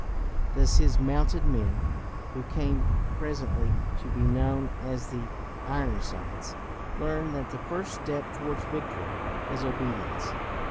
Thus his mounted men, who came presently to be known as the Iron sides, learned that the first step towards victory is obedience.